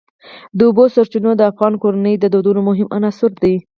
د اوبو سرچینې د افغان کورنیو د دودونو مهم عنصر دی.